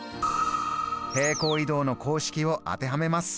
平行移動の公式を当てはめます。